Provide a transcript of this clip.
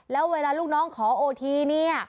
แล้วเวลาลูกน้องขอโอทีเนี่ย